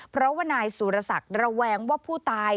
เพราะว่านายสุรศักดิ์ระแวงว่าผู้ตาย